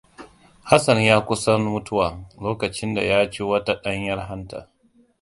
Hassan ya kusan mutuwa lokacin da ya ci wata ɗanyar hanta.